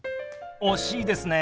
惜しいですね。